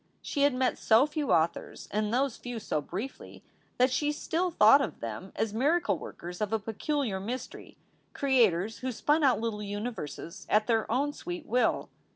She had met so few authors, and those few so briefly, that she still thought of them as miracle workers of a peculiar mystery, creators who spun out little universes at their own sweet will.